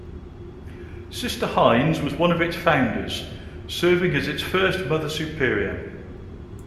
Sister Hynes was one of its founders, serving as its first mother superior.